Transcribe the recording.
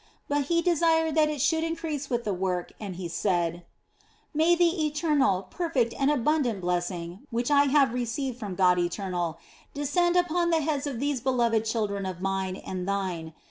But he desired that it should increase with the work and he said " May the eternal, perfect and abundant blessing (which I have received from God Eternal) descend upon the heads of these beloved children of mine and thine.